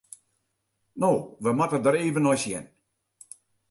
No, we moatte der even nei sjen.